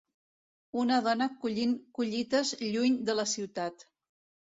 Una dona collint collites lluny de la ciutat.